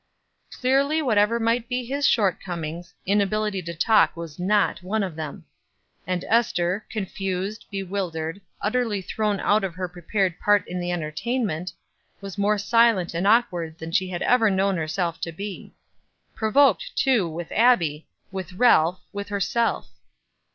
Clearly whatever might be his shortcomings, inability to talk was not one of them. And Ester, confused, bewildered, utterly thrown out of her prepared part in the entertainment, was more silent and awkward than she had ever known herself to be; provoked, too, with Abbie, with Ralph, with herself.